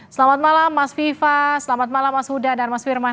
selamat malam mas viva selamat malam mas huda dan mas firman